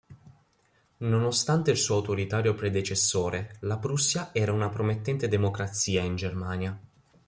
Nonostante il suo autoritario predecessore, la Prussia era una promettente democrazia in Germania.